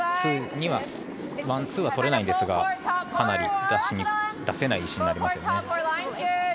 ワン、ツーはとれないんですがかなり出せない石になりますね。